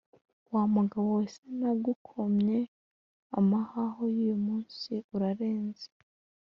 "Wa mugabo we sinagukomye amahaho y' uyu munsi? Uranze?